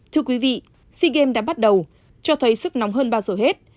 thưa quý vị sea games đã bắt đầu cho thấy sức nóng hơn bao giờ hết